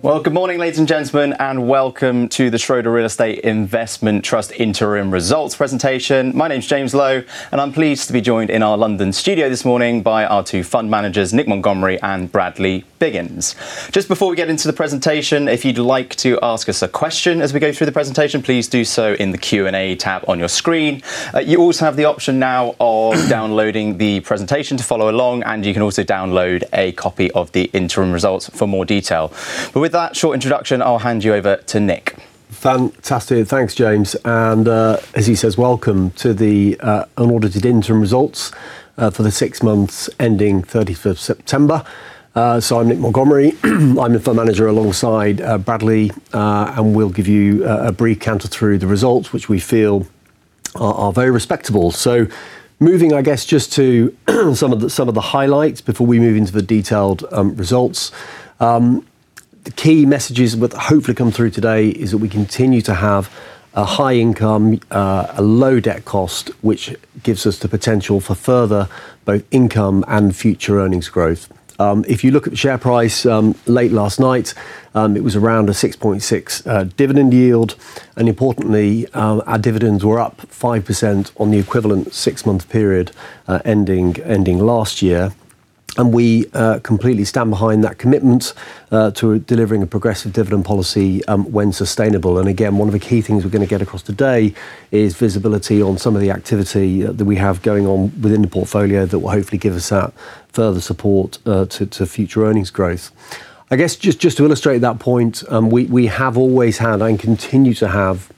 Good morning, ladies and gentlemen, and welcome to the Schroder Real Estate Investment Trust Interim Results Presentation. My name is James Lowe, and I'm pleased to be joined in our London studio this morning by our two fund managers, Nick Montgomery and Bradley Biggins. Just before we get into the presentation, if you'd like to ask us a question as we go through the presentation, please do so in the Q&A tab on your screen. You also have the option now of downloading the presentation to follow along, and you can also download a copy of the interim results for more detail. With that short introduction, I'll hand you over to Nick. Fantastic. Thanks, James. As he says, welcome to the unaudited interim results for the six months ending 30th of September. I'm Nick Montgomery. I'm the fund manager alongside Bradley, and we'll give you a brief counter through the results, which we feel are very respectable. Moving, I guess, just to some of the highlights before we move into the detailed results. The key messages that hopefully come through today is that we continue to have a high income, a low debt cost, which gives us the potential for further both income and future earnings growth. If you look at the share price late last night, it was around a 6.6% dividend yield. Importantly, our dividends were up 5% on the equivalent six-month period ending last year. We completely stand behind that commitment to delivering a progressive dividend policy when sustainable. One of the key things we're going to get across today is visibility on some of the activity that we have going on within the portfolio that will hopefully give us that further support to future earnings growth. I guess just to illustrate that point, we have always had and continue to have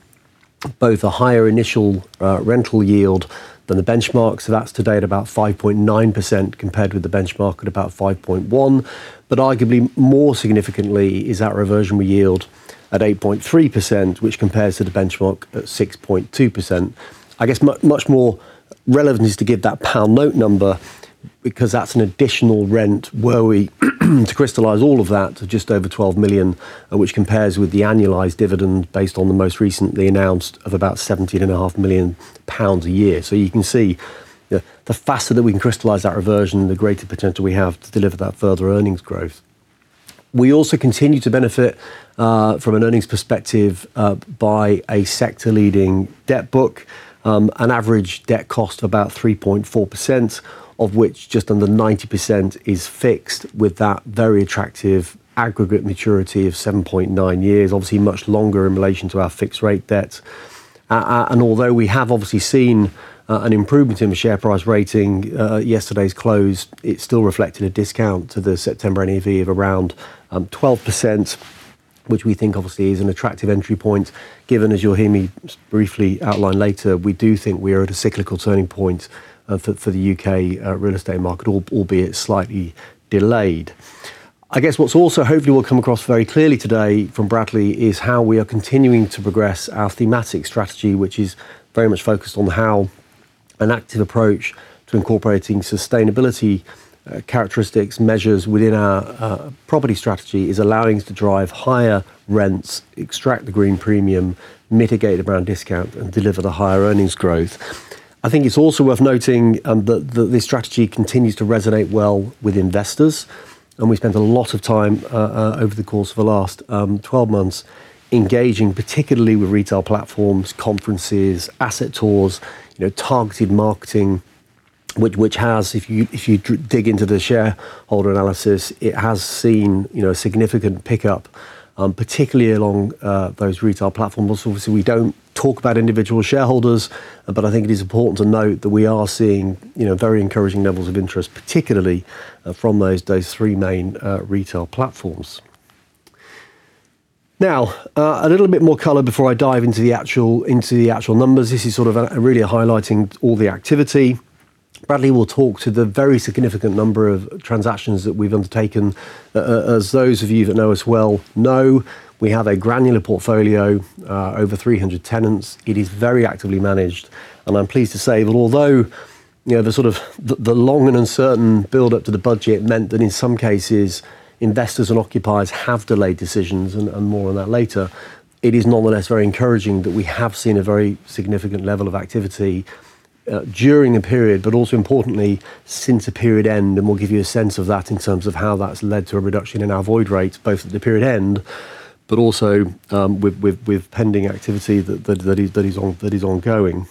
both a higher initial rental yield than the benchmark. That's today at about 5.9% compared with the benchmark at about 5.1%. Arguably more significantly is our reversion yield at 8.3%, which compares to the benchmark at 6.2%. I guess much more relevant is to give that pound note number because that's an additional rent were we to crystallize all of that to just over 12 million, which compares with the annualized dividend based on the most recently announced of about 17.5 million pounds a year. You can see the faster that we can crystallize that reversion, the greater potential we have to deliver that further earnings growth. We also continue to benefit from an earnings perspective by a sector-leading debt book, an average debt cost of about 3.4%, of which just under 90% is fixed with that very attractive aggregate maturity of 7.9 years, obviously much longer in relation to our fixed-rate debts. Although we have obviously seen an improvement in the share price rating at yesterday's close, it still reflected a discount to the September NAV of around 12%, which we think obviously is an attractive entry point given, as you'll hear me briefly outline later, we do think we are at a cyclical turning point for the U.K. real estate market, albeit slightly delayed. I guess what also hopefully will come across very clearly today from Bradley is how we are continuing to progress our thematic strategy, which is very much focused on how an active approach to incorporating sustainability characteristics measures within our property strategy is allowing us to drive higher rents, extract the green premium, mitigate the brand discount, and deliver the higher earnings growth. I think it's also worth noting that this strategy continues to resonate well with investors. We spent a lot of time over the course of the last 12 months engaging particularly with retail platforms, conferences, asset tours, targeted marketing, which has, if you dig into the shareholder analysis, it has seen a significant pickup, particularly along those retail platforms. Obviously, we do not talk about individual shareholders, but I think it is important to note that we are seeing very encouraging levels of interest, particularly from those three main retail platforms. Now, a little bit more color before I dive into the actual numbers. This is sort of really highlighting all the activity. Bradley will talk to the very significant number of transactions that we have undertaken. As those of you that know us well know, we have a granular portfolio over 300 tenants. It is very actively managed. I am pleased to say that although the sort of the long and uncertain build-up to the budget meant that in some cases, investors and occupiers have delayed decisions, and more on that later, it is nonetheless very encouraging that we have seen a very significant level of activity during a period, but also importantly since a period end. We will give you a sense of that in terms of how that has led to a reduction in our void rates, both at the period end, but also with pending activity that is ongoing.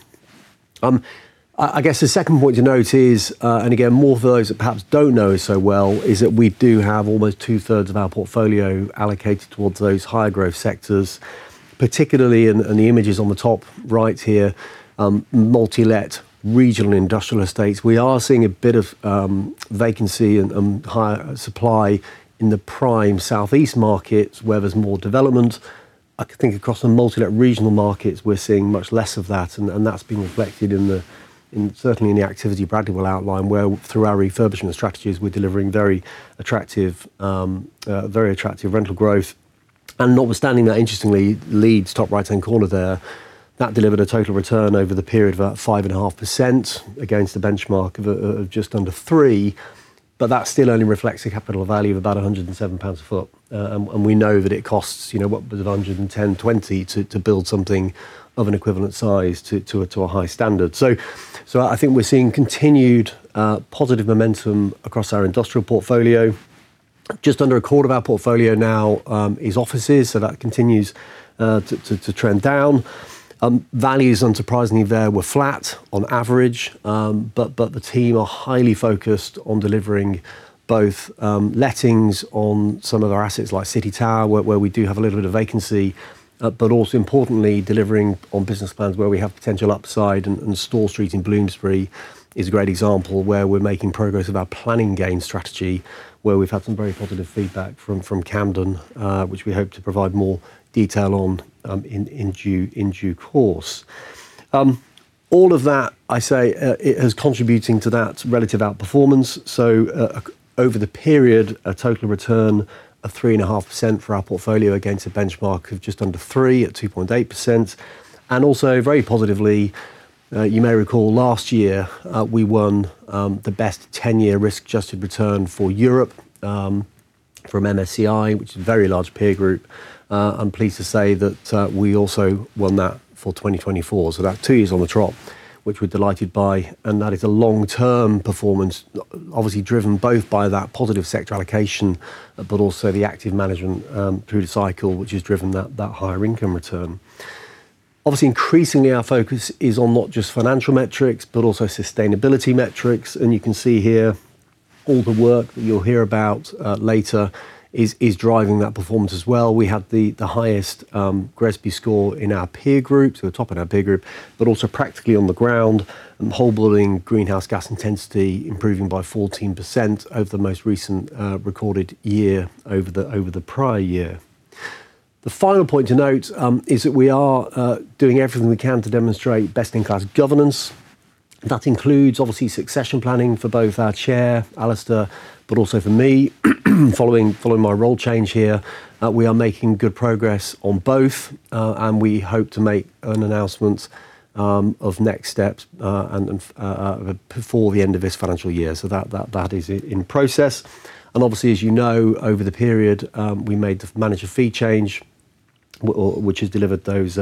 I guess the second point to note is, and again, more for those that perhaps do not know us so well, is that we do have almost two-thirds of our portfolio allocated towards those higher growth sectors, particularly in the images on the top right here, multi-let regional industrial estates. We are seeing a bit of vacancy and higher supply in the prime southeast markets where there is more development. I think across the multi-let regional markets, we are seeing much less of that. That has been reflected in the, certainly in the activity Bradley will outline where through our refurbishment strategies, we are delivering very attractive rental growth. Notwithstanding that, interestingly, Leeds, top right-hand corner there, that delivered a total return over the period of about 5.5% against the benchmark of just under 3%. That still only reflects a capital value of about 107 pounds a sq ft. We know that it costs, what, 110.20 to build something of an equivalent size to a high standard. I think we are seeing continued positive momentum across our industrial portfolio. Just under a quarter of our portfolio now is offices. That continues to trend down. Values, unsurprisingly, there were flat on average. The team are highly focused on delivering both lettings on some of our assets like City Tower, where we do have a little bit of vacancy, but also importantly, delivering on business plans where we have potential upside. Store Street in Bloomsbury is a great example where we're making progress with our planning gain strategy, where we've had some very positive feedback from Camden, which we hope to provide more detail on in due course. All of that, I say, is contributing to that relative outperformance. Over the period, a total return of 3.5% for our portfolio against a benchmark of just under three at 2.8%. Also very positively, you may recall last year, we won the best 10-year risk-adjusted return for Europe from MSCI, which is a very large peer group. I'm pleased to say that we also won that for 2024. That is two years on the trot, which we're delighted by. That is a long-term performance, obviously driven both by that positive sector allocation, but also the active management through the cycle, which has driven that higher income return. Obviously, increasingly, our focus is on not just financial metrics, but also sustainability metrics. You can see here all the work that you'll hear about later is driving that performance as well. We had the highest GRESB score in our peer group, so the top of our peer group, but also practically on the ground, hobbling greenhouse gas intensity improving by 14% over the most recent recorded year over the prior year. The final point to note is that we are doing everything we can to demonstrate best-in-class governance. That includes, obviously, succession planning for both our Chair, Alastair, but also for me. Following my role change here, we are making good progress on both. We hope to make an announcement of next steps before the end of this financial year. That is in process. Obviously, as you know, over the period, we made the manager fee change, which has delivered those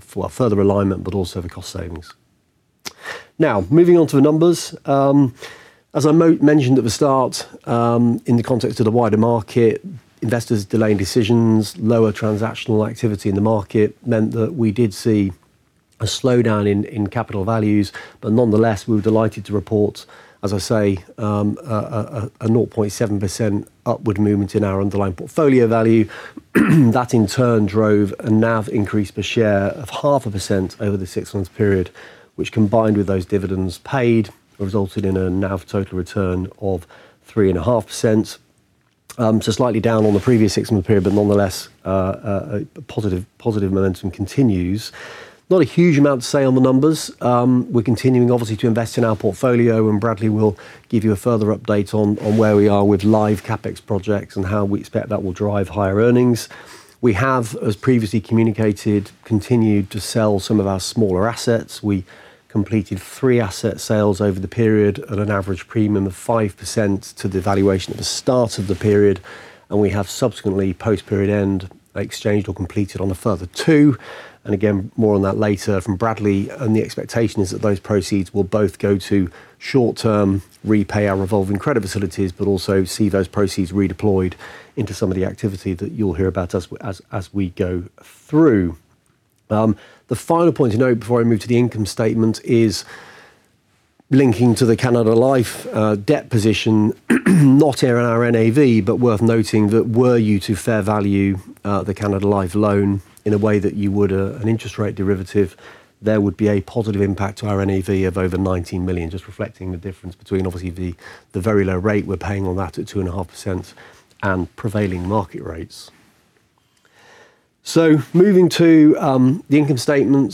for further alignment, but also for cost savings. Now, moving on to the numbers. As I mentioned at the start, in the context of the wider market, investors delaying decisions, lower transactional activity in the market meant that we did see a slowdown in capital values. Nonetheless, we were delighted to report, as I say, a 0.7% upward movement in our underlying portfolio value. That in turn drove a NAV increase per share of 0.5% over the six-month period, which combined with those dividends paid resulted in a NAV total return of 3.5%. Slightly down on the previous six-month period, nonetheless, positive momentum continues. Not a huge amount to say on the numbers. We're continuing, obviously, to invest in our portfolio, and Bradley will give you a further update on where we are with live CapEx projects and how we expect that will drive higher earnings. We have, as previously communicated, continued to sell some of our smaller assets. We completed three asset sales over the period at an average premium of 5% to the valuation at the start of the period. We have subsequently, post-period end, exchanged or completed on a further two. More on that later from Bradley. The expectation is that those proceeds will both go to short-term repay our revolving credit facilities, but also see those proceeds redeployed into some of the activity that you'll hear about as we go through. The final point to note before I move to the income statement is linking to the Canada Life debt position, not in our NAV, but worth noting that were you to fair value the Canada Life loan in a way that you would an interest rate derivative, there would be a positive impact to our NAV of over 19 million, just reflecting the difference between, obviously, the very low rate we're paying on that at 2.5% and prevailing market rates. Moving to the income statement.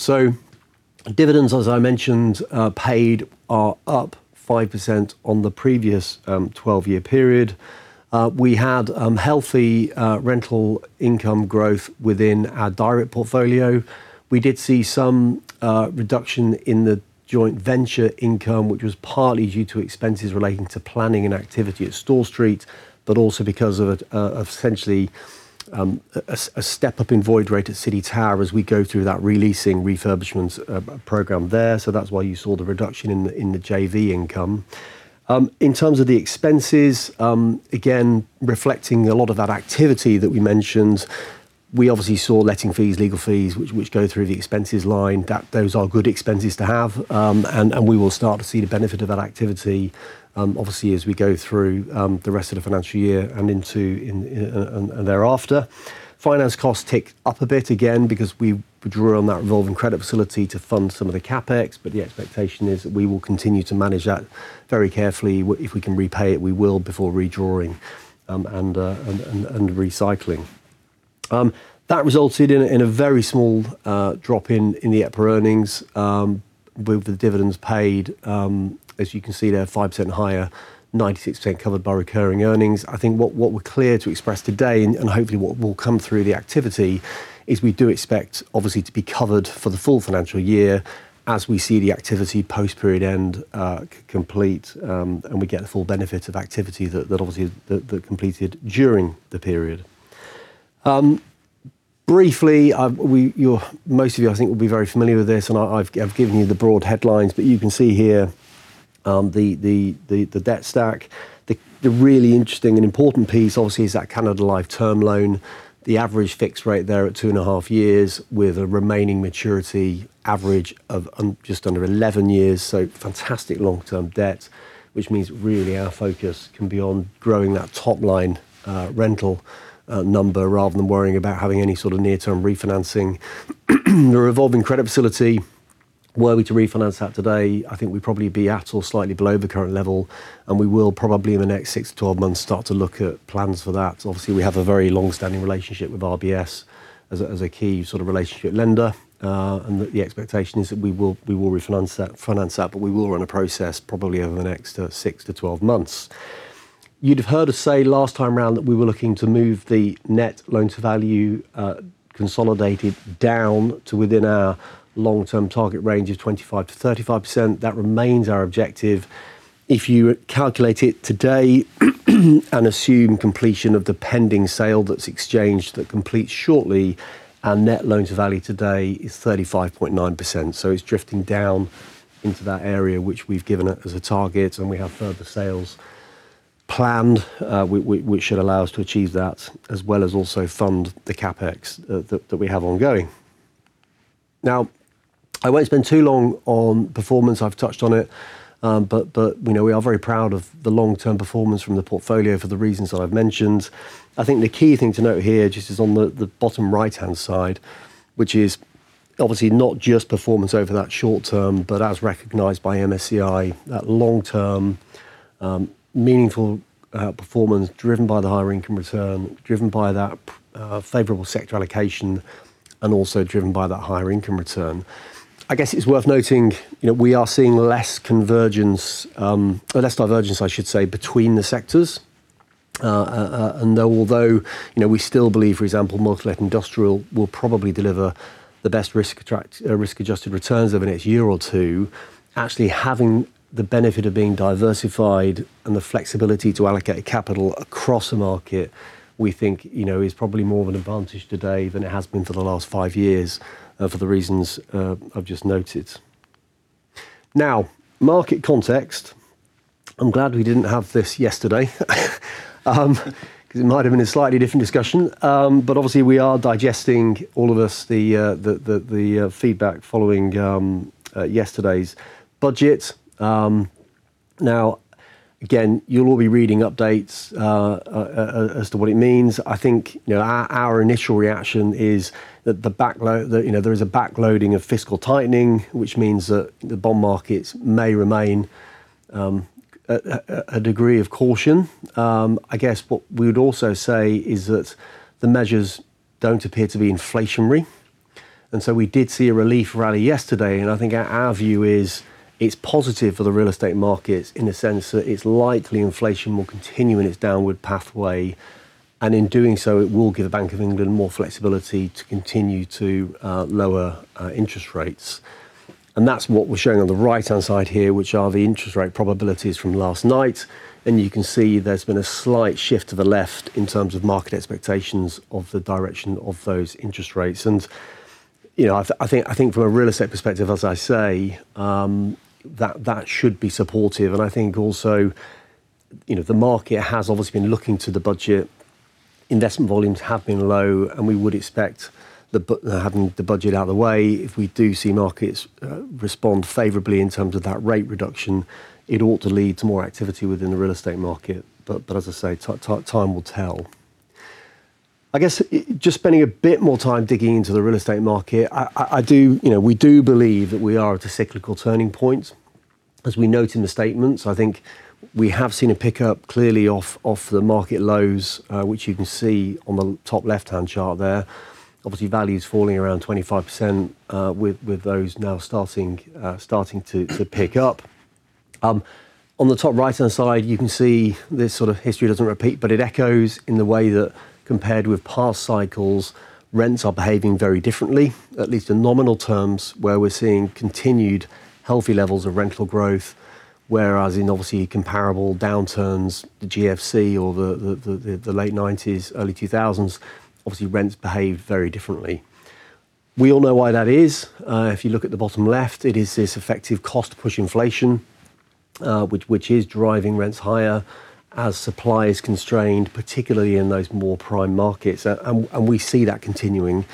Dividends, as I mentioned, paid are up 5% on the previous 12-year period. We had healthy rental income growth within our direct portfolio. We did see some reduction in the joint venture income, which was partly due to expenses relating to planning and activity at Store Street, but also because of essentially a step-up in void rate at City Tower as we go through that releasing refurbishment program there. That is why you saw the reduction in the JV income. In terms of the expenses, again, reflecting a lot of that activity that we mentioned, we obviously saw letting fees, legal fees, which go through the expenses line. Those are good expenses to have. We will start to see the benefit of that activity, obviously, as we go through the rest of the financial year and into thereafter. Finance costs ticked up a bit again because we drew on that revolving credit facility to fund some of the CapEx. The expectation is that we will continue to manage that very carefully. If we can repay it, we will before redrawing and recycling. That resulted in a very small drop in the upper earnings with the dividends paid. As you can see there, 5% higher, 96% covered by recurring earnings. I think what we're clear to express today, and hopefully what will come through the activity, is we do expect, obviously, to be covered for the full financial year as we see the activity post-period end complete and we get the full benefit of activity that obviously completed during the period. Briefly, most of you, I think, will be very familiar with this. And I've given you the broad headlines, but you can see here the debt stack. The really interesting and important piece, obviously, is that Canada Life term loan, the average fixed rate there at two and a half years with a remaining maturity average of just under 11 years. Fantastic long-term debt, which means really our focus can be on growing that top-line rental number rather than worrying about having any sort of near-term refinancing. The revolving credit facility, were we to refinance that today, I think we'd probably be at or slightly below the current level. We will probably in the next 6-12 months start to look at plans for that. Obviously, we have a very long-standing relationship with RBS as a key sort of relationship lender. The expectation is that we will refinance that, but we will run a process probably over the next 6-12 months. You'd have heard us say last time around that we were looking to move the net loan-to-value consolidated down to within our long-term target range of 25%-35%. That remains our objective. If you calculate it today and assume completion of the pending sale that's exchanged that completes shortly, our net loan-to-value today is 35.9%. It is drifting down into that area which we've given it as a target. We have further sales planned, which should allow us to achieve that, as well as also fund the CapEx that we have ongoing. Now, I won't spend too long on performance. I've touched on it. We are very proud of the long-term performance from the portfolio for the reasons that I've mentioned. I think the key thing to note here just is on the bottom right-hand side, which is obviously not just performance over that short term, but as recognized by MSCI, that long-term meaningful performance driven by the higher income return, driven by that favorable sector allocation, and also driven by that higher income return. I guess it's worth noting we are seeing less convergence, less divergence, I should say, between the sectors. And although we still believe, for example, multi-let industrial will probably deliver the best risk-adjusted returns over the next year or two, actually having the benefit of being diversified and the flexibility to allocate capital across a market, we think is probably more of an advantage today than it has been for the last five years for the reasons I've just noted. Now, market context. I'm glad we didn't have this yesterday because it might have been a slightly different discussion. Obviously, we are digesting, all of us, the feedback following yesterday's budget. Now, again, you'll all be reading updates as to what it means. I think our initial reaction is that there is a backloading of fiscal tightening, which means that the bond markets may remain a degree of caution. I guess what we would also say is that the measures do not appear to be inflationary. We did see a relief rally yesterday. I think our view is it is positive for the real estate markets in the sense that it is likely inflation will continue in its downward pathway. In doing so, it will give the Bank of England more flexibility to continue to lower interest rates. That is what we are showing on the right-hand side here, which are the interest rate probabilities from last night. You can see there has been a slight shift to the left in terms of market expectations of the direction of those interest rates. I think from a real estate perspective, as I say, that should be supportive. I think also the market has obviously been looking to the budget. Investment volumes have been low. We would expect having the budget out of the way, if we do see markets respond favorably in terms of that rate reduction, it ought to lead to more activity within the real estate market. As I say, time will tell. I guess just spending a bit more time digging into the real estate market, we do believe that we are at a cyclical turning point. As we note in the statements, I think we have seen a pickup clearly off the market lows, which you can see on the top left-hand chart there. Obviously, values falling around 25% with those now starting to pick up. On the top right-hand side, you can see this sort of history does not repeat, but it echoes in the way that compared with past cycles, rents are behaving very differently, at least in nominal terms, where we are seeing continued healthy levels of rental growth. Whereas in obviously comparable downturns, the GFC or the late 1990s, early 2000s, obviously rents behave very differently. We all know why that is. If you look at the bottom left, it is this effective cost-push inflation, which is driving rents higher as supply is constrained, particularly in those more prime markets. We see that continuing.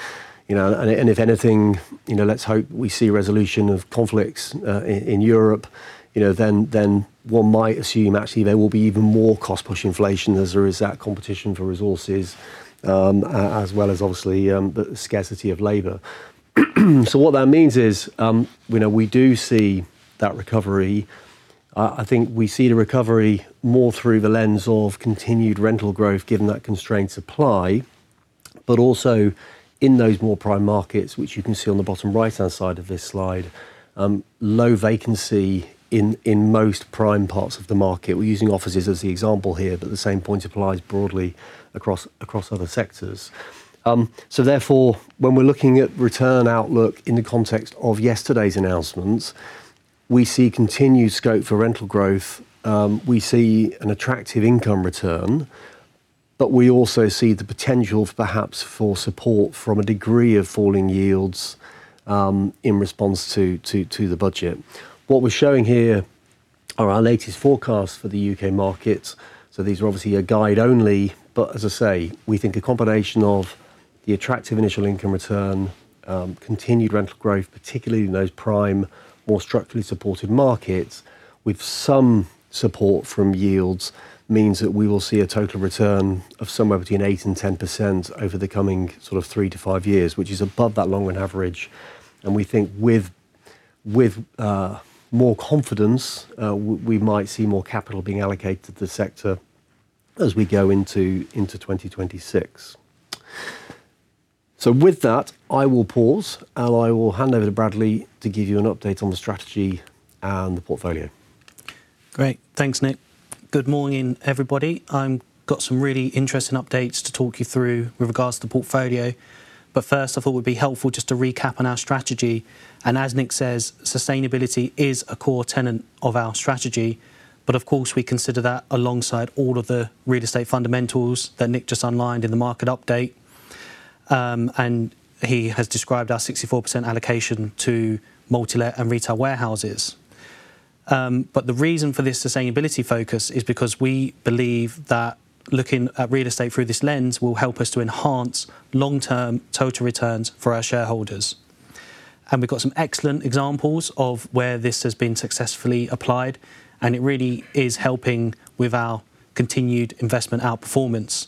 If anything, let's hope we see resolution of conflicts in Europe, then one might assume actually there will be even more cost-push inflation as there is that competition for resources, as well as obviously the scarcity of labor. What that means is we do see that recovery. I think we see the recovery more through the lens of continued rental growth, given that constraints apply. Also in those more prime markets, which you can see on the bottom right-hand side of this slide, low vacancy in most prime parts of the market. We're using offices as the example here, but the same point applies broadly across other sectors. Therefore, when we're looking at return outlook in the context of yesterday's announcements, we see continued scope for rental growth. We see an attractive income return. We also see the potential perhaps for support from a degree of falling yields in response to the budget. What we're showing here are our latest forecasts for the U.K. markets. These are obviously a guide only. As I say, we think a combination of the attractive initial income return, continued rental growth, particularly in those prime, more structurally supported markets with some support from yields means that we will see a total return of somewhere between 8% and 10% over the coming sort of three to five years, which is above that longer average. We think with more confidence, we might see more capital being allocated to the sector as we go into 2026. With that, I will pause and I will hand over to Bradley to give you an update on the strategy and the portfolio. Great. Thanks, Nick. Good morning, everybody. I've got some really interesting updates to talk you through with regards to the portfolio. First, I thought it would be helpful just to recap on our strategy. As Nick says, sustainability is a core tenet of our strategy. Of course, we consider that alongside all of the real estate fundamentals that Nick just outlined in the market update. He has described our 64% allocation to multi-let and retail warehouses. The reason for this sustainability focus is because we believe that looking at real estate through this lens will help us to enhance long-term total returns for our shareholders. We have some excellent examples of where this has been successfully applied. It really is helping with our continued investment outperformance.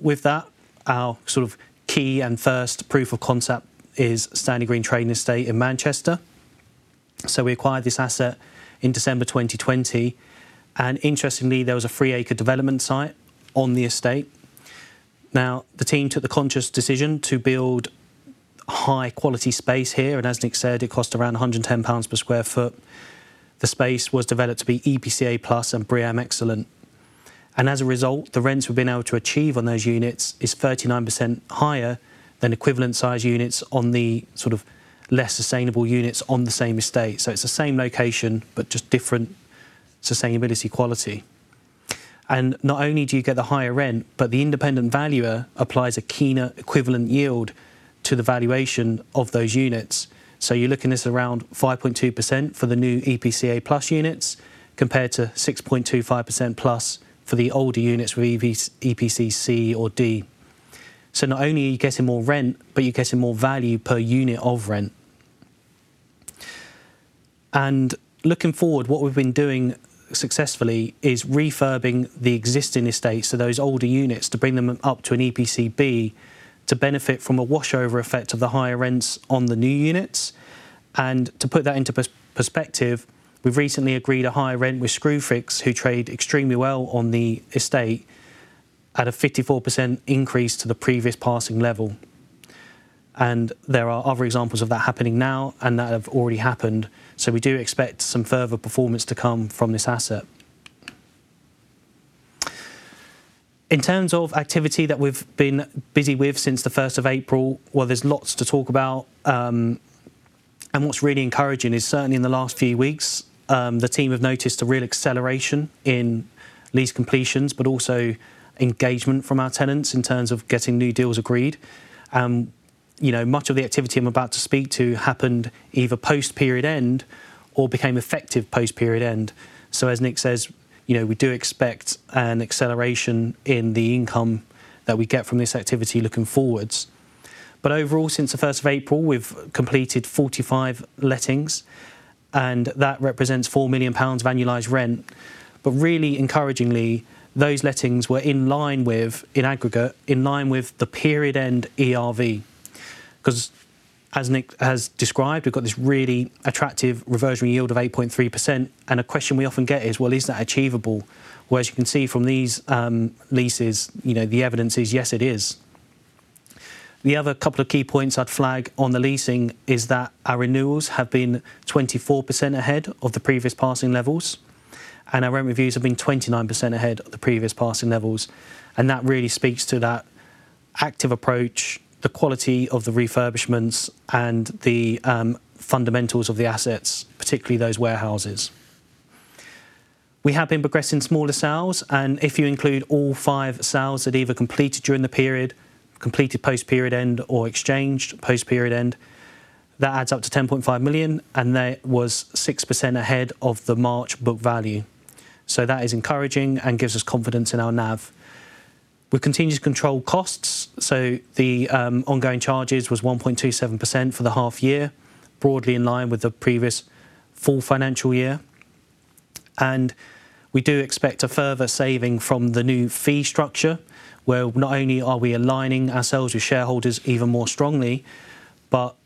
With that, our sort of key and first proof of concept is Stanley Green Trading Estate in Manchester. We acquired this asset in December 2020. Interestingly, there was a free acre development site on the estate. The team took the conscious decision to build high-quality space here. As Nick said, it cost around 110 pounds per sq ft. The space was developed to be EPC A plus and BREEAM Excellent. As a result, the rents we've been able to achieve on those units is 39% higher than equivalent size units on the sort of less sustainable units on the same estate. It is the same location, but just different sustainability quality. Not only do you get the higher rent, but the independent valuer applies a keener equivalent yield to the valuation of those units. You are looking at around 5.2% for the new EPC A plus units compared to 6.25%+ for the older units with EPC C or D. Not only are you getting more rent, but you are getting more value per unit of rent. Looking forward, what we've been doing successfully is refurbing the existing estates of those older units to bring them up to an EPC B to benefit from a washover effect of the higher rents on the new units. To put that into perspective, we've recently agreed a higher rent with Screwfix, who trade extremely well on the estate, at a 54% increase to the previous passing level. There are other examples of that happening now and that have already happened. We do expect some further performance to come from this asset. In terms of activity that we've been busy with since the 1st of April, there's lots to talk about. What's really encouraging is certainly in the last few weeks, the team have noticed a real acceleration in lease completions, but also engagement from our tenants in terms of getting new deals agreed. Much of the activity I am about to speak to happened either post-period end or became effective post-period end. As Nick says, we do expect an acceleration in the income that we get from this activity looking forwards. Overall, since the 1st of April, we have completed 45 lettings. That represents 4 million pounds of annualized rent. Really encouragingly, those lettings were, in aggregate, in line with the period-end ERV. As Nick has described, we have this really attractive reversion yield of 8.3%. A question we often get is, is that achievable? You can see from these leases, the evidence is yes, it is. The other couple of key points I would flag on the leasing is that our renewals have been 24% ahead of the previous passing levels, and our rent reviews have been 29% ahead of the previous passing levels. That really speaks to that active approach, the quality of the refurbishments, and the fundamentals of the assets, particularly those warehouses. We have been progressing smaller sales. If you include all five sales that either completed during the period, completed post-period end, or exchanged post-period end, that adds up to 10.5 million. That was 6% ahead of the March book value. That is encouraging and gives us confidence in our NAV. We continue to control costs. The ongoing charges was 1.27% for the half year, broadly in line with the previous full financial year. We do expect a further saving from the new fee structure, where not only are we aligning ourselves with shareholders even more strongly, but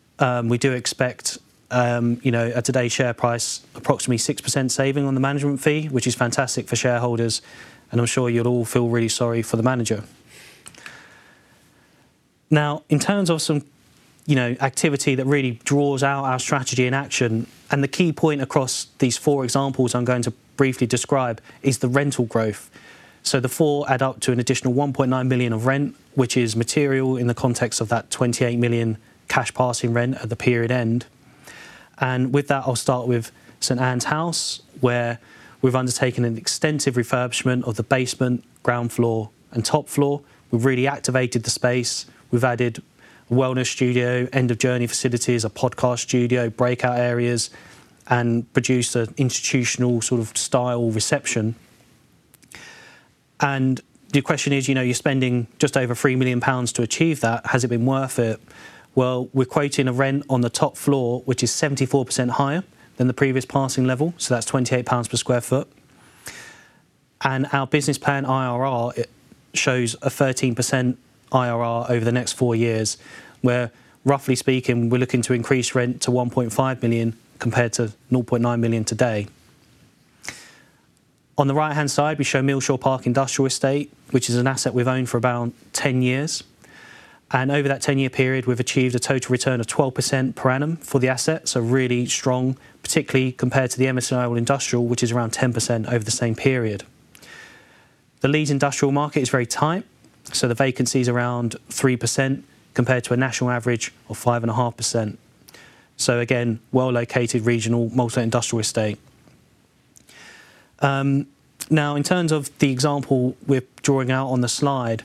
we do expect at today's share price, approximately 6% saving on the management fee, which is fantastic for shareholders. I'm sure you'll all feel really sorry for the manager. In terms of some activity that really draws out our strategy in action, the key point across these four examples I'm going to briefly describe is the rental growth. The four add up to an additional 1.9 million of rent, which is material in the context of that 28 million cash passing rent at the period end. With that, I'll start with St. Anne's House, where we've undertaken an extensive refurbishment of the basement, ground floor, and top floor. We've really activated the space. We've added a wellness studio, end-of-journey facilities, a podcast studio, breakout areas, and produced an institutional sort of style reception. The question is, you're spending just over 3 million pounds to achieve that. Has it been worth it? We're quoting a rent on the top floor, which is 74% higher than the previous passing level. That's 28 pounds per sq ft. Our business plan IRR shows a 13% IRR over the next four years, where, roughly speaking, we're looking to increase rent to 1.5 million compared to 0.9 million today. On the right-hand side, we show Millshaw Park Industrial Estate, which is an asset we've owned for about 10 years. Over that 10-year period, we've achieved a total return of 12% per annum for the assets, really strong, particularly compared to the MSCI All Industrial, which is around 10% over the same period. The Leeds industrial market is very tight. The vacancy is around 3% compared to a national average of 5.5%. Again, well-located regional multi-industrial estate. Now, in terms of the example we're drawing out on the slide,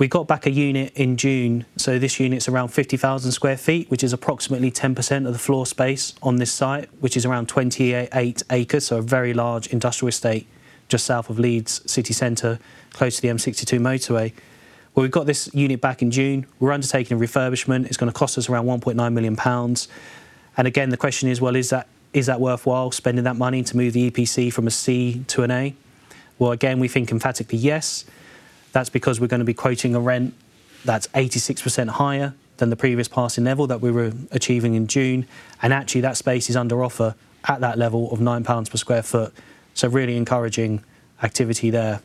we got back a unit in June. This unit's around 50,000 sq ft, which is approximately 10% of the floor space on this site, which is around 28 acres. A very large industrial estate just south of Leeds City Centre, close to the M62 motorway. We got this unit back in June. We're undertaking a refurbishment. It's going to cost us around 1.9 million pounds. The question is, is that worthwhile spending that money to move the EPC from a C to an A? We think emphatically yes. That's because we're going to be quoting a rent that's 86% higher than the previous passing level that we were achieving in June. Actually, that space is under offer at that level of 9 pounds per sq ft. Really encouraging activity there.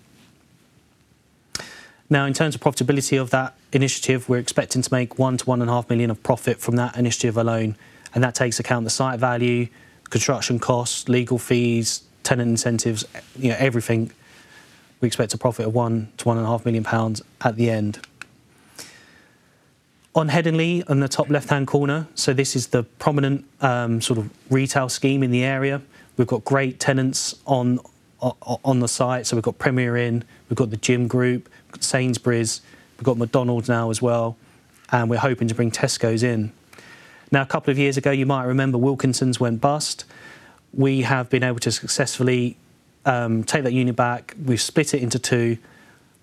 Now, in terms of profitability of that initiative, we're expecting to make 1 million-1.5 million of profit from that initiative alone. That takes account the site value, construction costs, legal fees, tenant incentives, everything. We expect to profit 1 million-1.5 million pounds at the end. On Haydonleigh, on the top left-hand corner, this is the prominent sort of retail scheme in the area. We've got great tenants on the site. We've got Premier Inn, we've got The Gym Group, Sainsbury's, we've got McDonald's now as well. We're hoping to bring Tesco in. A couple of years ago, you might remember Wilko went bust. We have been able to successfully take that unit back. We've split it into two.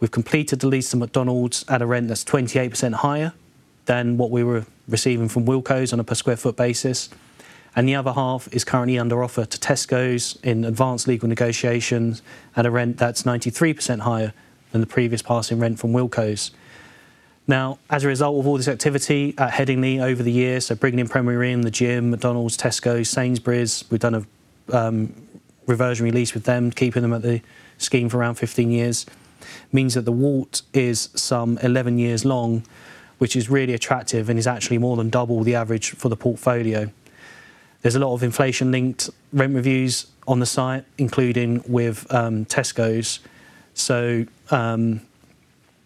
We've completed the lease to McDonald's at a rent that's 28% higher than what we were receiving from Wilko on a per sq ft basis. The other half is currently under offer to Tesco in advanced legal negotiations at a rent that is 93% higher than the previous passing rent from Wilko. As a result of all this activity at Haydonleigh over the years, bringing in Premier Inn, The Gym Group, McDonald's, Tesco, Sainsbury's, we have done a reversion release with them, keeping them at the scheme for around 15 years. That means the WAULT is some 11 years long, which is really attractive and is actually more than double the average for the portfolio. There is a lot of inflation-linked rent reviews on the site, including with Tesco.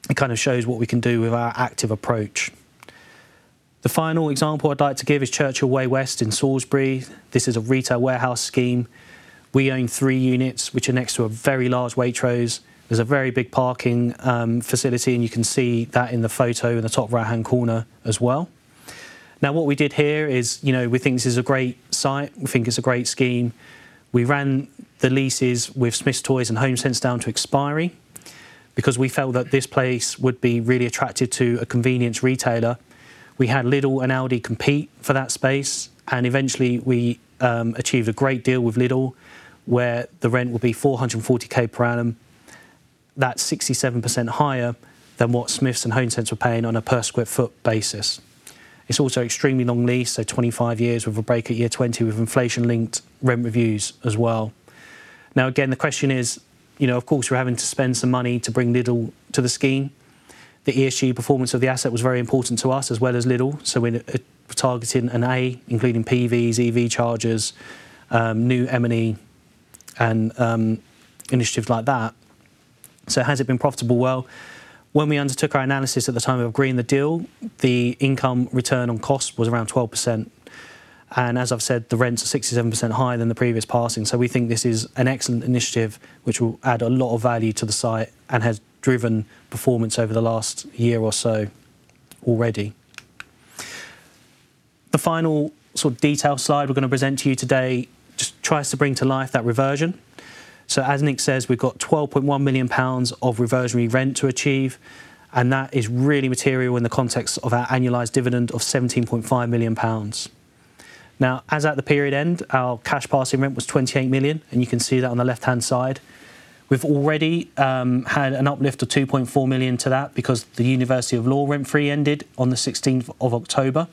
It kind of shows what we can do with our active approach. The final example I would like to give is Churchill Way West in Salisbury. This is a retail warehouse scheme. We own three units, which are next to a very large Waitrose. There's a very big parking facility, and you can see that in the photo in the top right-hand corner as well. Now, what we did here is we think this is a great site. We think it's a great scheme. We ran the leases with Smith's Toys and Homesense down to expiry because we felt that this place would be really attractive to a convenience retailer. We had Lidl and Aldi compete for that space. Eventually, we achieved a great deal with Lidl, where the rent would be 440,000 per annum. That's 67% higher than what Smith's and Homesense were paying on a per square foot basis. It's also an extremely long lease, 25 years with a break at year 20 with inflation-linked rent reviews as well. Now, again, the question is, of course, we're having to spend some money to bring Lidl to the scheme. The ESG performance of the asset was very important to us as well as Lidl. We are targeting an A, including PVs, EV chargers, new M&E, and initiatives like that. Has it been profitable? When we undertook our analysis at the time of agreeing the deal, the income return on cost was around 12%. As I have said, the rents are 67% higher than the previous passing. We think this is an excellent initiative, which will add a lot of value to the site and has driven performance over the last year or so already. The final sort of detailed slide we are going to present to you today just tries to bring to life that reversion. As Nick says, we have 12.1 million pounds of reversionary rent to achieve. That is really material in the context of our annualized dividend of GBP 17.5 million. Now, as at the period end, our cash passing rent was GBP 28 million. You can see that on the left-hand side. We've already had an uplift of GBP 2.4 million to that because the University of Law rent free ended on the 16th of October.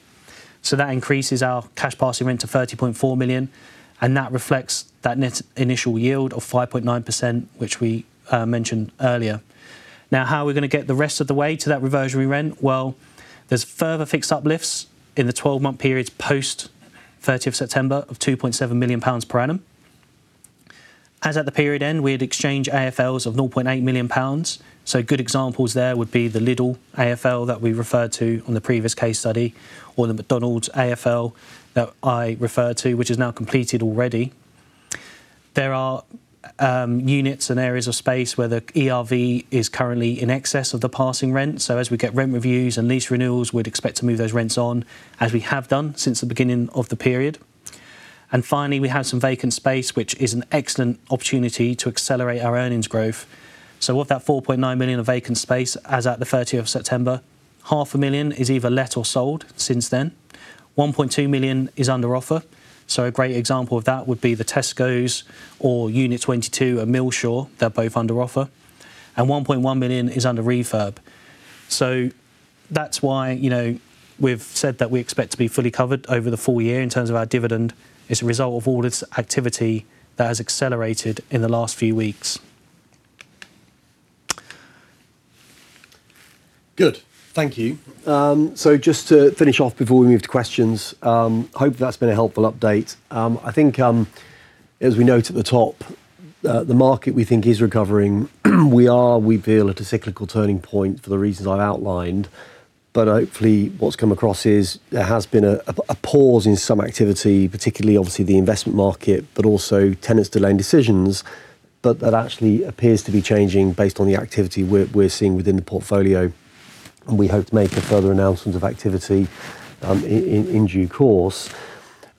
That increases our cash passing rent to 30.4 million. That reflects that initial yield of 5.9%, which we mentioned earlier. How are we going to get the rest of the way to that reversionary rent? There are further fixed uplifts in the 12-month periods post 30th of September of 2.7 million pounds per annum. As at the period end, we had exchange AFLs of 0.8 million pounds. Good examples there would be the Lidl AFL that we referred to on the previous case study, or the McDonald's AFL that I referred to, which is now completed already. There are units and areas of space where the ERV is currently in excess of the passing rent. As we get rent reviews and lease renewals, we'd expect to move those rents on, as we have done since the beginning of the period. Finally, we have some vacant space, which is an excellent opportunity to accelerate our earnings growth. With that 4.9 million of vacant space, as at the 30th of September, 500,000 is either let or sold since then. 1.2 million is under offer. A great example of that would be the Tesco or Unit 22 at Millshaw. They're both under offer. 1.1 million is under refurb. That is why we've said that we expect to be fully covered over the full year in terms of our dividend. is a result of all this activity that has accelerated in the last few weeks. Good. Thank you. Just to finish off before we move to questions, I hope that has been a helpful update. I think, as we noted at the top, the market we think is recovering. We are, we feel, at a cyclical turning point for the reasons I have outlined. Hopefully, what has come across is there has been a pause in some activity, particularly, obviously, the investment market, but also tenants-to-land decisions. That actually appears to be changing based on the activity we are seeing within the portfolio. We hope to make a further announcement of activity in due course.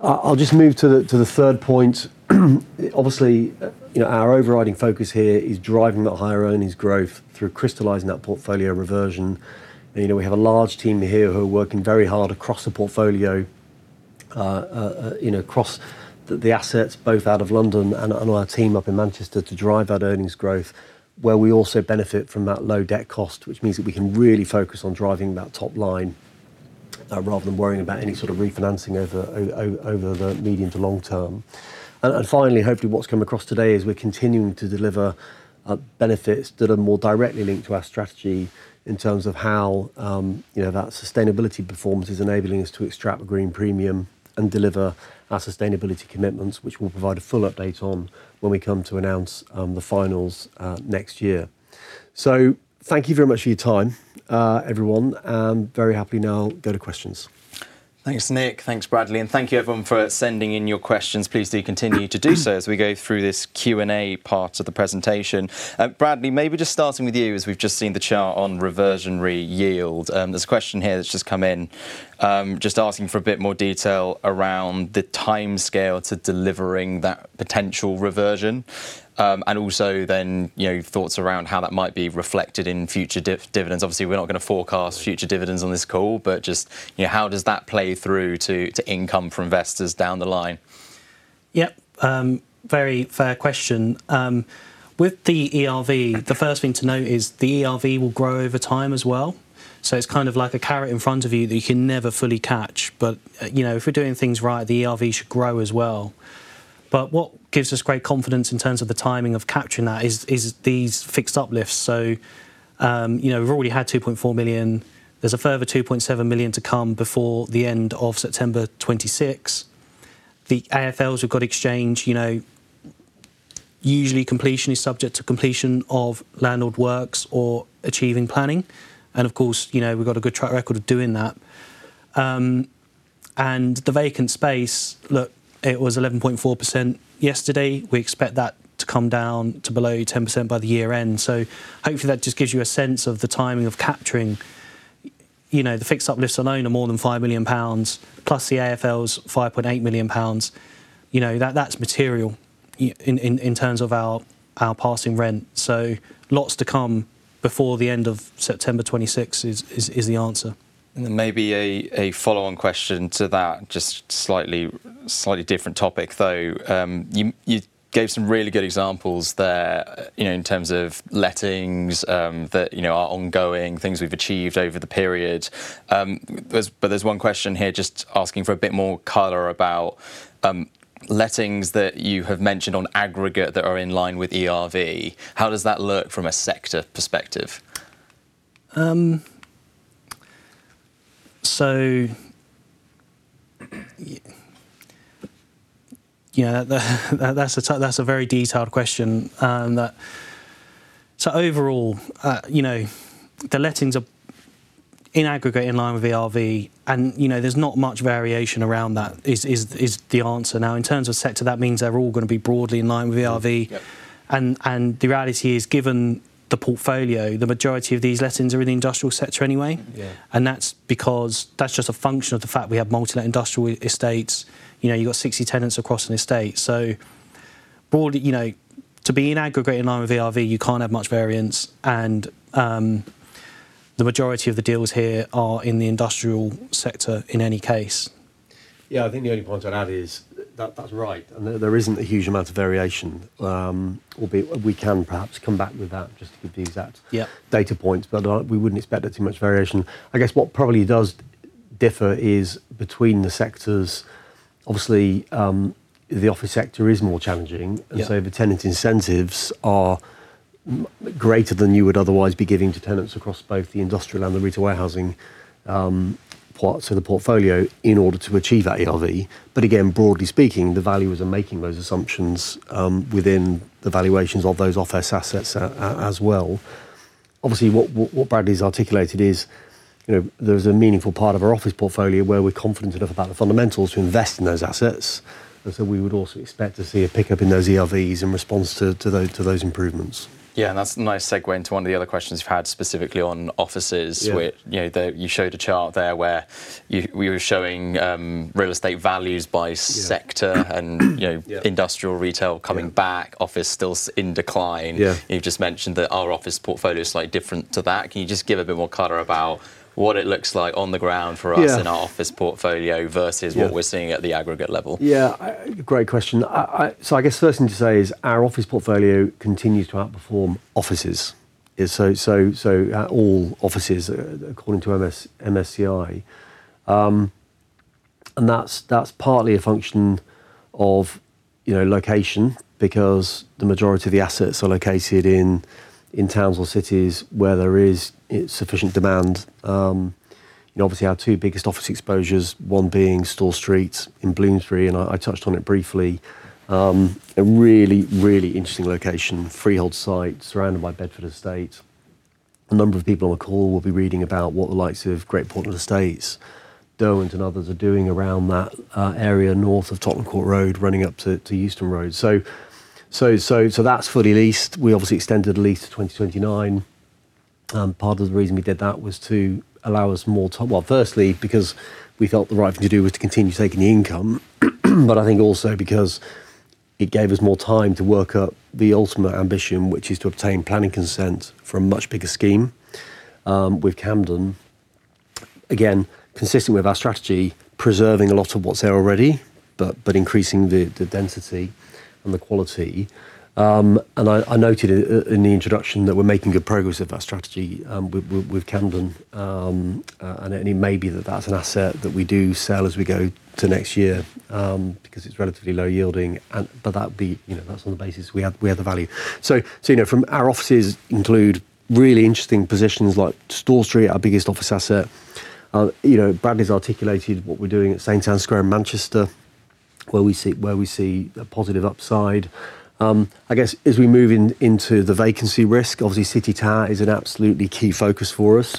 I will just move to the third point. Obviously, our overriding focus here is driving that higher earnings growth through crystallizing that portfolio reversion. We have a large team here who are working very hard across the portfolio, across the assets, both out of London and our team up in Manchester to drive that earnings growth, where we also benefit from that low debt cost, which means that we can really focus on driving that top line rather than worrying about any sort of refinancing over the medium to long term. Finally, hopefully, what's come across today is we're continuing to deliver benefits that are more directly linked to our strategy in terms of how that sustainability performance is enabling us to extract a green premium and deliver our sustainability commitments, which we'll provide a full update on when we come to announce the finals next year. Thank you very much for your time, everyone. Very happy now, go to questions. Thanks, Nick. Thanks, Bradley. Thank you, everyone, for sending in your questions. Please do continue to do so as we go through this Q&A part of the presentation. Bradley, maybe just starting with you, as we have just seen the chart on reversionary yield. There is a question here that has just come in, just asking for a bit more detail around the time scale to delivering that potential reversion. Also, thoughts around how that might be reflected in future dividends. Obviously, we are not going to forecast future dividends on this call, but just how does that play through to income for investors down the line? Yep. Very fair question. With the ERV, the first thing to note is the ERV will grow over time as well. It is kind of like a carrot in front of you that you can never fully catch. If we're doing things right, the ERV should grow as well. What gives us great confidence in terms of the timing of capturing that is these fixed uplifts. We've already had 2.4 million. There's a further 2.7 million to come before the end of September 2026. The AFLs we've got exchange. Usually, completion is subject to completion of landlord works or achieving planning. Of course, we've got a good track record of doing that. The vacant space, look, it was 11.4% yesterday. We expect that to come down to below 10% by the year end. Hopefully, that just gives you a sense of the timing of capturing the fixed uplifts alone are more than 5 million pounds, plus the AFLs, 5.8 million pounds. That's material in terms of our passing rent. Lots to come before the end of September 2026 is the answer. Maybe a follow-on question to that, just slightly different topic, though. You gave some really good examples there in terms of lettings that are ongoing, things we've achieved over the period. There's one question here just asking for a bit more color about lettings that you have mentioned on aggregate that are in line with ERV. How does that look from a sector perspective? That's a very detailed question. Overall, the lettings are in aggregate in line with ERV. There's not much variation around that is the answer. In terms of sector, that means they're all going to be broadly in line with ERV. The reality is, given the portfolio, the majority of these lettings are in the industrial sector anyway. That's because that's just a function of the fact we have multi-let industrial estates. You've got 60 tenants across an estate. To be in aggregate in line with ERV, you can't have much variance. The majority of the deals here are in the industrial sector in any case. I think the only point I'd add is that's right. There isn't a huge amount of variation. We can perhaps come back with that just to give you that data point. We wouldn't expect that too much variation. I guess what probably does differ is between the sectors. Obviously, the office sector is more challenging. The tenant incentives are greater than you would otherwise be giving to tenants across both the industrial and the retail warehousing parts of the portfolio in order to achieve that ERV. Again, broadly speaking, the value is in making those assumptions within the valuations of those office assets as well. Obviously, what Bradley's articulated is there's a meaningful part of our office portfolio where we're confident enough about the fundamentals to invest in those assets. We would also expect to see a pickup in those ERVs in response to those improvements. Yeah, and that's a nice segue into one of the other questions we've had specifically on offices. You showed a chart there where we were showing real estate values by sector and industrial retail coming back, office still in decline. You've just mentioned that our office portfolio is slightly different to that. Can you just give a bit more color about what it looks like on the ground for us in our office portfolio versus what we're seeing at the aggregate level? Yeah, great question. I guess the first thing to say is our office portfolio continues to outperform offices. All offices, according to MSCI. That is partly a function of location because the majority of the assets are located in towns or cities where there is sufficient demand. Obviously, our two biggest office exposures, one being Store Street in Bloomsbury, and I touched on it briefly. A really, really interesting location, freehold site surrounded by Bedford Estates. A number of people on the call will be reading about what the likes of Great Portland Estates, Derwent London, and others are doing around that area north of Tottenham Court Road running up to Euston Road. That is for the lease. We obviously extended the lease to 2029. Part of the reason we did that was to allow us more top, well, firstly, because we felt the right thing to do was to continue taking the income. I think also because it gave us more time to work up the ultimate ambition, which is to obtain planning consent for a much bigger scheme with Camden. Again, consistent with our strategy, preserving a lot of what's there already, but increasing the density and the quality. I noted in the introduction that we're making good progress with our strategy with Camden. It may be that that's an asset that we do sell as we go to next year because it's relatively low yielding. That's on the basis we have the value. Our offices include really interesting positions like Store Street, our biggest office asset. Bradley's articulated what we're doing at St. Anne's Square in Manchester, where we see a positive upside. I guess as we move into the vacancy risk, obviously, City Tower is an absolutely key focus for us.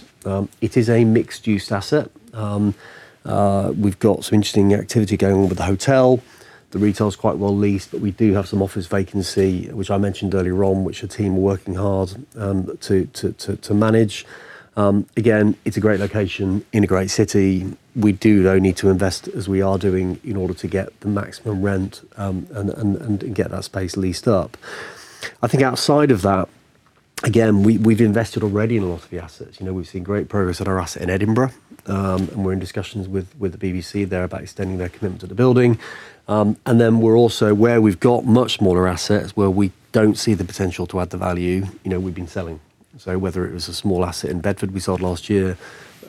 It is a mixed-use asset. We've got some interesting activity going on with the hotel. The retail is quite well leased, but we do have some office vacancy, which I mentioned earlier on, which the team are working hard to manage. Again, it's a great location in a great city. We do, though, need to invest as we are doing in order to get the maximum rent and get that space leased up. I think outside of that, again, we've invested already in a lot of the assets. We've seen great progress on our asset in Edinburgh. We are in discussions with the BBC there about extending their commitment to the building. We are also where we've got much smaller assets where we don't see the potential to add the value we've been selling. Whether it was a small asset in Bedford we sold last year,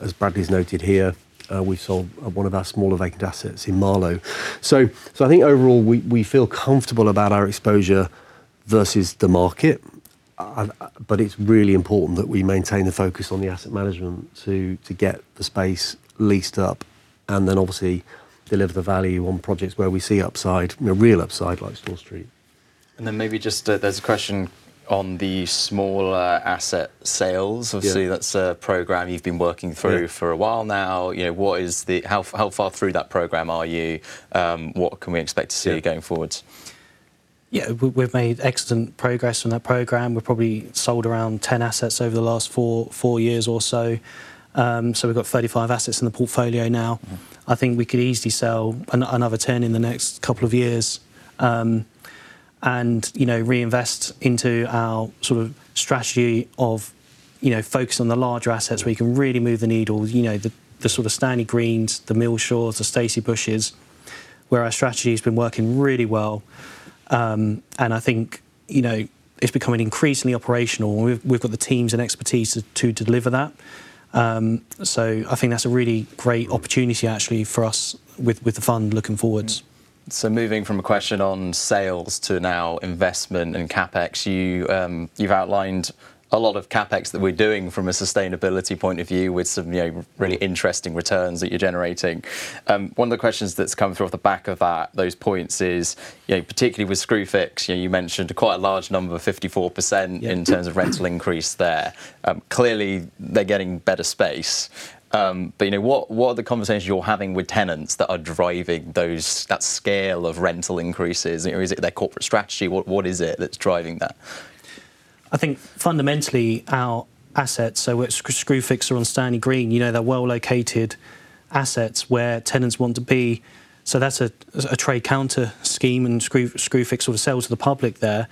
as Bradley's noted here, we sold one of our smaller vacant assets in Marlow. I think overall, we feel comfortable about our exposure versus the market. It's really important that we maintain the focus on the asset management to get the space leased up and then obviously deliver the value on projects where we see upside, real upside like Store Street. Maybe just there's a question on the smaller asset sales. Obviously, that's a program you've been working through for a while now. How far through that program are you? What can we expect to see going forwards? Yeah, we've made excellent progress on that program. We've probably sold around 10 assets over the last four years or so. We've got 35 assets in the portfolio now. I think we could easily sell another 10 in the next couple of years and reinvest into our sort of strategy of focus on the larger assets where you can really move the needle, the sort of Stanley Greens, the Millshaws, the Stacy Bushes, where our strategy has been working really well. I think it's becoming increasingly operational. We've got the teams and expertise to deliver that. I think that's a really great opportunity, actually, for us with the fund looking forwards. Moving from a question on sales to now investment and CapEx, you've outlined a lot of CapEx that we're doing from a sustainability point of view with some really interesting returns that you're generating. One of the questions that's come through off the back of those points is, particularly with Screwfix, you mentioned quite a large number of 54% in terms of rental increase there. Clearly, they're getting better space. What are the conversations you're having with tenants that are driving that scale of rental increases? Is it their corporate strategy? What is it that's driving that? I think fundamentally, our assets, so Screwfix are on Stanley Green. They're well-located assets where tenants want to be. That is a trade counter scheme, and Screwfix will sell to the public there.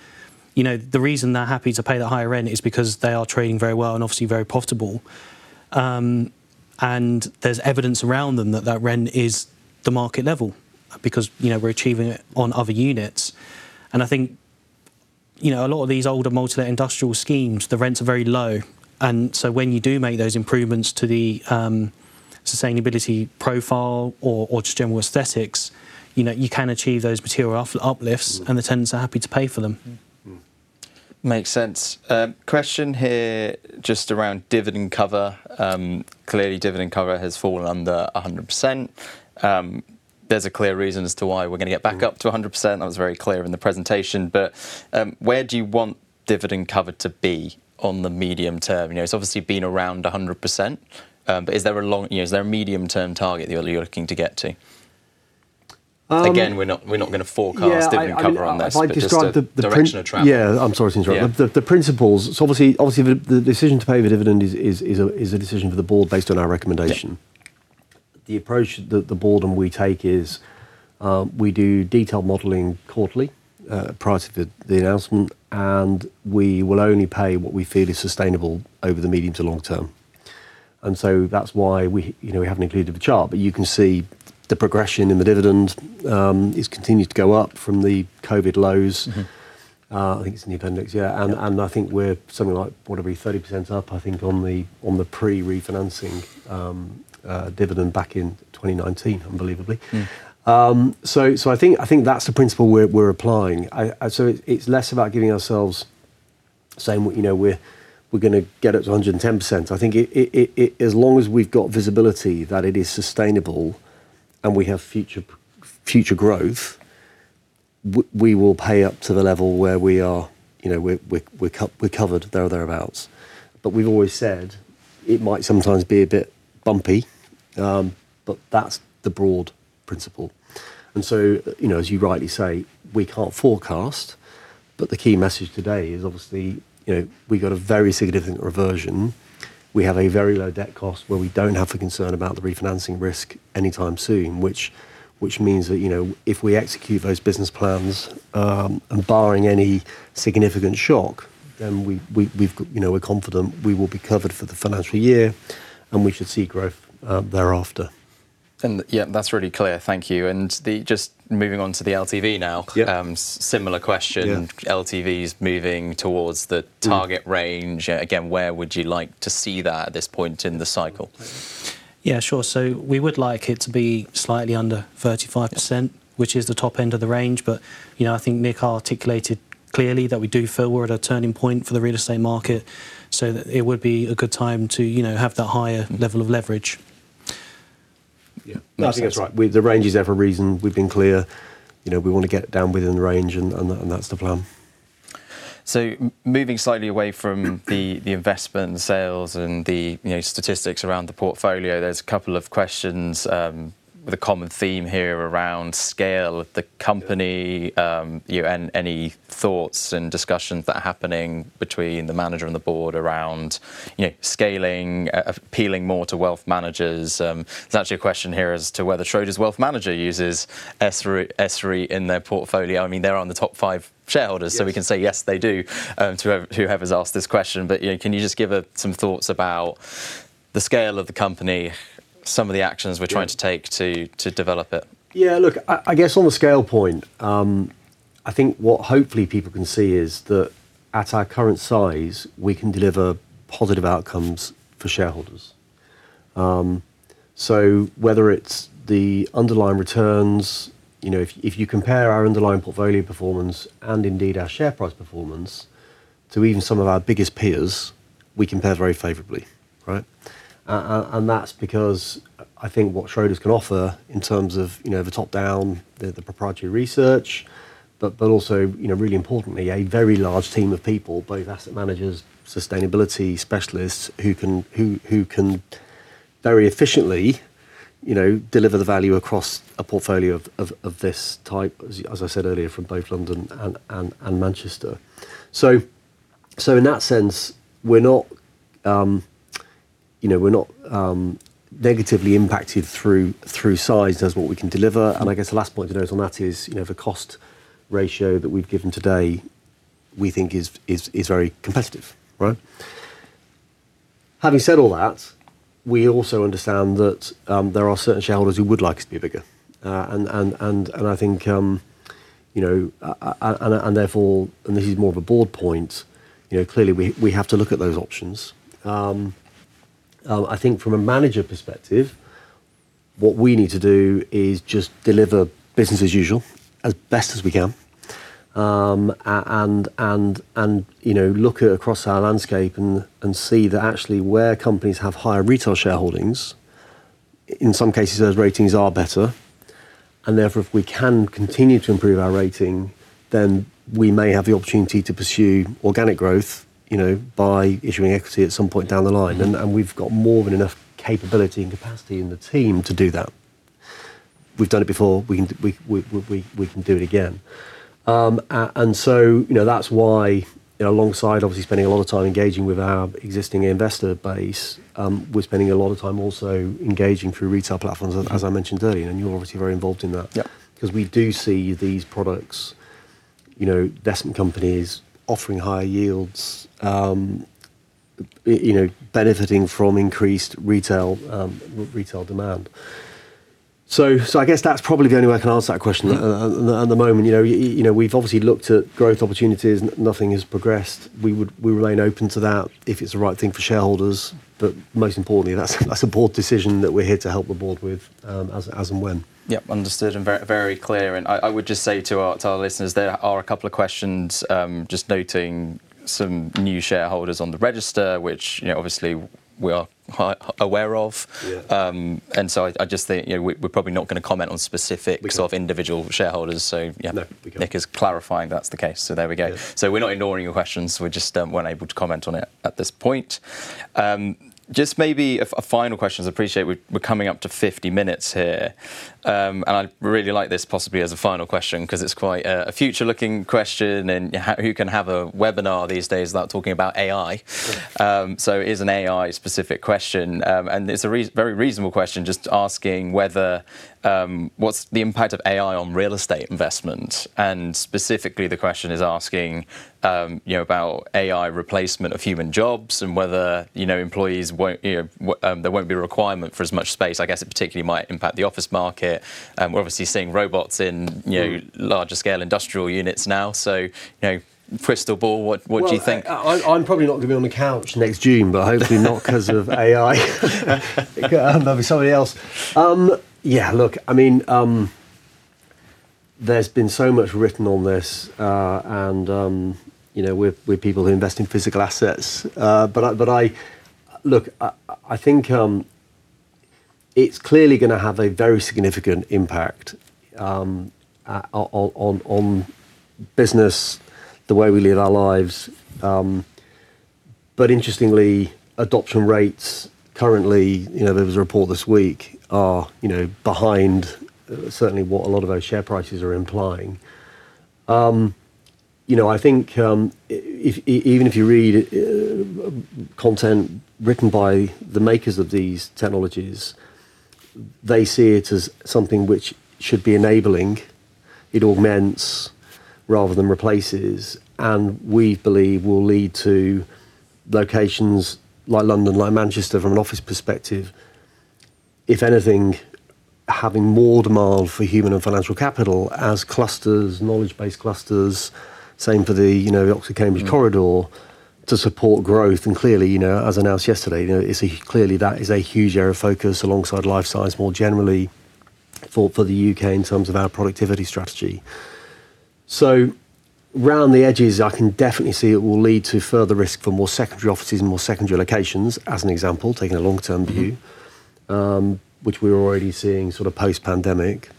The reason they're happy to pay that higher rent is because they are trading very well and obviously very profitable. There is evidence around them that that rent is the market level because we're achieving it on other units. I think a lot of these older multi-let industrial schemes, the rents are very low. When you do make those improvements to the sustainability profile or just general aesthetics, you can achieve those material uplifts, and the tenants are happy to pay for them. Makes sense. Question here just around dividend cover. Clearly, dividend cover has fallen under 100%. There's a clear reason as to why we're going to get back up to 100%. That was very clear in the presentation. Where do you want dividend cover to be on the medium term? It's obviously been around 100%. Is there a medium-term target that you're looking to get to? Again, we're not going to forecast dividend cover on this. I'm sorry to interrupt. The principles, so obviously, the decision to pay the dividend is a decision for the board based on our recommendation. The approach that the board and we take is we do detailed modeling quarterly prior to the announcement, and we will only pay what we feel is sustainable over the medium to long term. That is why we have not included the chart, but you can see the progression in the dividend. It has continued to go up from the COVID lows. I think it is in the appendix, yeah. I think we are something like, what are we, 30% up, I think, on the pre-refinancing dividend back in 2019, unbelievably. I think that is the principle we are applying. It is less about giving ourselves saying we are going to get up to 110%. I think as long as we have got visibility that it is sustainable and we have future growth, we will pay up to the level where we are covered there or thereabouts. We have always said it might sometimes be a bit bumpy, but that is the broad principle. As you rightly say, we cannot forecast, but the key message today is obviously we have a very significant reversion. We have a very low debt cost where we do not have to concern about the refinancing risk anytime soon, which means that if we execute those business plans and barring any significant shock, then we are confident we will be covered for the financial year, and we should see growth thereafter. Yeah, that is really clear. Thank you. Just moving on to the LTV now, similar question, LTV is moving towards the target range. Again, where would you like to see that at this point in the cycle? Yeah, sure. We would like it to be slightly under 35%, which is the top end of the range. I think Nick articulated clearly that we do feel we're at a turning point for the real estate market, so it would be a good time to have that higher level of leverage. Yeah, I think that's right. The range is ever a reason. We've been clear. We want to get it down within the range, and that's the plan. Moving slightly away from the investment and sales and the statistics around the portfolio, there's a couple of questions with a common theme here around scale of the company and any thoughts and discussions that are happening between the manager and the board around scaling, appealing more to wealth managers. There's actually a question here as to whether Schroders wealth manager uses SREI in their portfolio. I mean, they're on the top five shareholders, so we can say yes, they do, whoever's asked this question. Can you just give us some thoughts about the scale of the company, some of the actions we're trying to take to develop it? Yeah, look, I guess on the scale point, I think what hopefully people can see is that at our current size, we can deliver positive outcomes for shareholders. Whether it's the underlying returns, if you compare our underlying portfolio performance and indeed our share price performance to even some of our biggest peers, we compare very favorably, right? That's because I think what Schroders can offer in terms of the top-down, the proprietary research, but also, really importantly, a very large team of people, both asset managers, sustainability specialists who can very efficiently deliver the value across a portfolio of this type, as I said earlier, from both London and Manchester. In that sense, we're not negatively impacted through size as what we can deliver. I guess the last point to note on that is the cost ratio that we've given today, we think, is very competitive, right? Having said all that, we also understand that there are certain shareholders who would like us to be bigger. I think, and therefore, and this is more of a board point, clearly, we have to look at those options. I think from a manager perspective, what we need to do is just deliver business as usual, as best as we can, and look across our landscape and see that actually where companies have higher retail shareholdings, in some cases, those ratings are better. If we can continue to improve our rating, then we may have the opportunity to pursue organic growth by issuing equity at some point down the line. We have more than enough capability and capacity in the team to do that. We have done it before. We can do it again. That is why, alongside obviously spending a lot of time engaging with our existing investor base, we are spending a lot of time also engaging through retail platforms, as I mentioned earlier. You are obviously very involved in that because we do see these products, investment companies offering higher yields, benefiting from increased retail demand. I guess that is probably the only way I can answer that question at the moment. We have obviously looked at growth opportunities. Nothing has progressed. We remain open to that if it is the right thing for shareholders. But most importantly, that's a board decision that we're here to help the board with as and when. Yep, understood and very clear. I would just say to our listeners, there are a couple of questions just noting some new shareholders on the register, which obviously we are aware of. I just think we're probably not going to comment on specific sort of individual shareholders. Nick is clarifying that's the case. There we go. We're not ignoring your questions. We just weren't able to comment on it at this point. Just maybe a final question. I appreciate we're coming up to 50 minutes here. I really like this possibly as a final question because it's quite a future-looking question. Who can have a webinar these days without talking about AI? It is an AI-specific question. It's a very reasonable question just asking what's the impact of AI on real estate investment. Specifically, the question is asking about AI replacement of human jobs and whether employees won't, there won't be a requirement for as much space. I guess it particularly might impact the office market. We're obviously seeing robots in larger-scale industrial units now. Crystal Ball, what do you think? I'm probably not going to be on the couch next June, but hopefully not because of AI. There'll be somebody else. Yeah, look, I mean, there's been so much written on this, and we're people who invest in physical assets. Look, I think it's clearly going to have a very significant impact on business, the way we live our lives. Interestingly, adoption rates currently, there was a report this week, are behind certainly what a lot of our share prices are implying. I think even if you read content written by the makers of these technologies, they see it as something which should be enabling. It augments rather than replaces. We believe will lead to locations like London, like Manchester, from an office perspective, if anything, having more demand for human and financial capital as clusters, knowledge-based clusters, same for the Oxford Cambridge Corridor to support growth. Clearly, as announced yesterday, that is a huge area of focus alongside life science more generally for the U.K. in terms of our productivity strategy. Around the edges, I can definitely see it will lead to further risk for more secondary offices and more secondary locations, as an example, taking a long-term view, which we were already seeing sort of post-pandemic.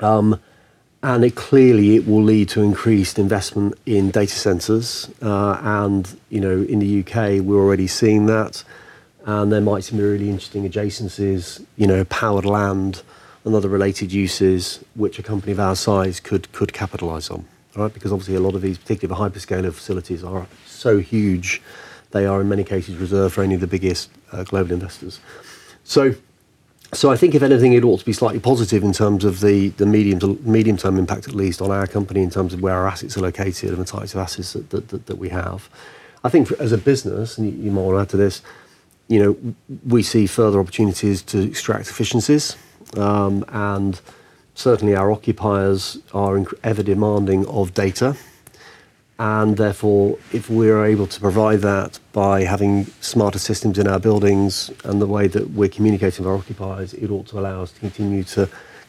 Clearly, it will lead to increased investment in data centers. In the U.K., we are already seeing that. There might seem to be really interesting adjacencies, powered land, and other related uses which a company of our size could capitalize on, right? Because obviously, a lot of these, particularly the hyperscale facilities, are so huge, they are in many cases reserved for only the biggest global investors. I think if anything, it ought to be slightly positive in terms of the medium-term impact, at least on our company in terms of where our assets are located and the types of assets that we have. I think as a business, and you might want to add to this, we see further opportunities to extract efficiencies. Certainly, our occupiers are ever demanding of data. Therefore, if we're able to provide that by having smarter systems in our buildings and the way that we're communicating with our occupiers, it ought to allow us to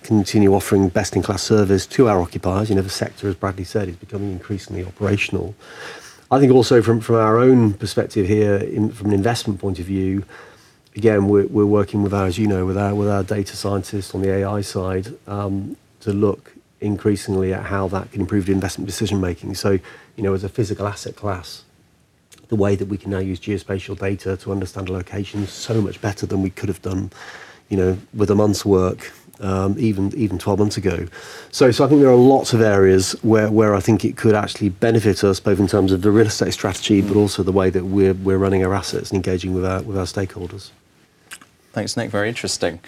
continue offering best-in-class service to our occupiers. The sector, as Bradley said, is becoming increasingly operational. I think also from our own perspective here, from an investment point of view, again, we're working with our data scientists on the AI side to look increasingly at how that can improve investment decision-making. As a physical asset class, the way that we can now use geospatial data to understand locations is so much better than we could have done with a month's work, even 12 months ago. I think there are lots of areas where I think it could actually benefit us, both in terms of the real estate strategy, but also the way that we're running our assets and engaging with our stakeholders. Thanks, Nick. Very interesting.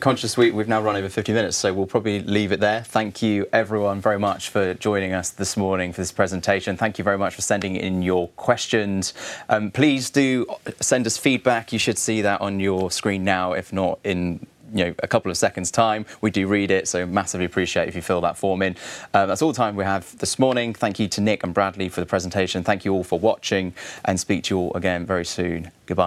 Conscious we've now run over 50 minutes, so we'll probably leave it there. Thank you, everyone, very much for joining us this morning for this presentation. Thank you very much for sending in your questions. Please do send us feedback. You should see that on your screen now, if not in a couple of seconds' time. We do read it, so massively appreciate it if you fill that form in. That's all the time we have this morning. Thank you to Nick and Bradley for the presentation. Thank you all for watching, and speak to you all again very soon. Goodbye.